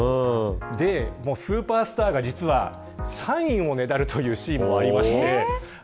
スーパースターが実はサインをねだるというシーンもありました。